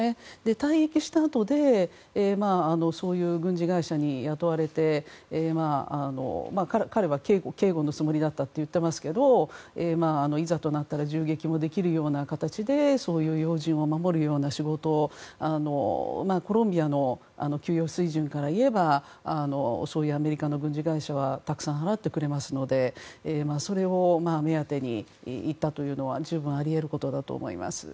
退役したあとでそういう軍事会社に雇われて彼は警護のつもりだったと言っていますけどいざとなったら銃撃もできるような形でそういう要人を守るような仕事をコロンビアの給与水準から言えばアメリカの軍事会社はたくさん払ってくれますのでそれを目当てにいったというのは十分、あり得ることだと思います。